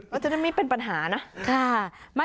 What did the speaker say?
แล้วจะได้ไม่เป็นปัญหานะค่ะ